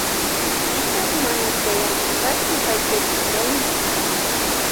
Pipash mana chayamurkachu haytaypukllayma.